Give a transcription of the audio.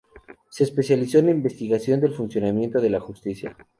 Se especializó en investigación del funcionamiento de la Justicia.